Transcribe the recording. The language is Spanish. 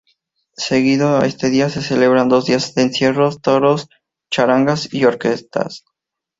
Seguido a este día se celebran dos días de encierros, toros, charangas y orquestas.